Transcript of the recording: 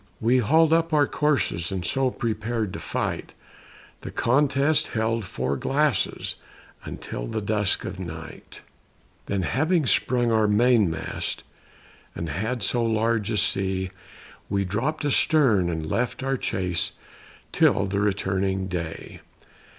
We haulèd up our courses, And so prepared for fight; The contest held four glasses, Until the dusk of night; Then having sprung our main mast, And had so large a sea, We dropped astern and left our chase Till the returning day.